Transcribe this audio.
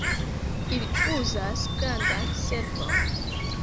ili uzas grandan servon